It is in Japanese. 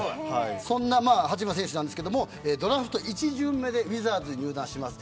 そんな八村選手ですがドラフト１巡目でウィザーズに入団します。